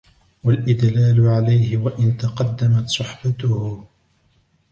وَالْإِدْلَالَ عَلَيْهِ وَإِنْ تَقَدَّمَتْ صُحْبَتُهُ